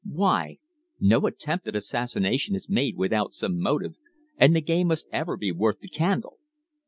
Why? No attempt at assassination is made without some motive, and the game must ever be "worth the candle."